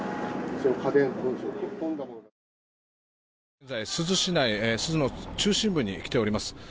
現在、珠洲市内珠洲の中心部に来ております。